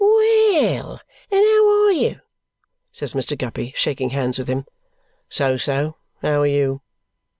"Well, and how are you?" says Mr. Guppy, shaking hands with him. "So, so. How are you?"